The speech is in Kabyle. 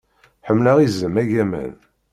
Ḥemmleɣ iẓem agaman.